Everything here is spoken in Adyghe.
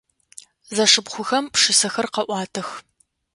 Зэшыпхъухэм пшысэхэр къаӏуатэх.